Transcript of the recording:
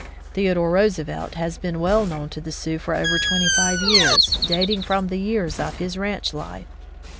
Theodore Roosevelt has been well known to the Sioux for over twenty five years, dating from the years of his ranch life.